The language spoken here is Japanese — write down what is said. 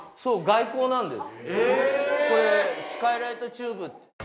これスカイライトチューブ。